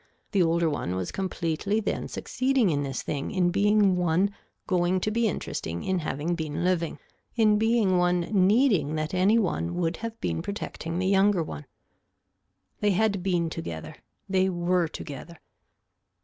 The older one was completely then succeeding in this thing in being one going to be interesting in having been living, in being one needing that any one would have been protecting the younger one. They had been together. They were together.